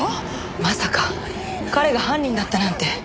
まさか彼が犯人だったなんて。